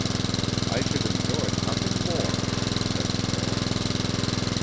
"I should enjoy nothing more," said Paul.